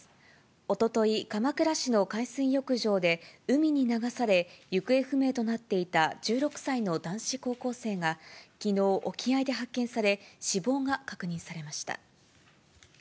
おととい、鎌倉市の海水浴場で海に流され、行方不明となっていた１６歳の男子高校生が、きのう、沖合で発見され、死亡が確認されました。